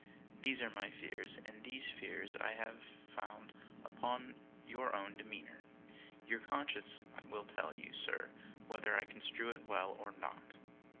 These are my fears, and these fears I found upon your own demeanour. Your conscience will tell you, sir, whether I construe it well or not.